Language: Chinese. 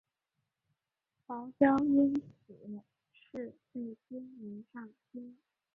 茅焦因此事被尊为上卿。